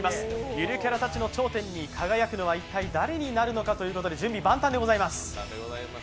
ゆるキャラたちの頂点に輝くのは一体誰になるのかということで準備万端でございます。